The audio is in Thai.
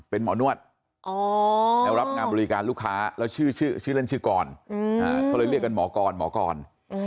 เป็นหมอนวดแล้วรับงานบริการลูกค้าแล้วชื่อเล่นชื่อกรเขาเลยเรียกกันหมอกรหมอกร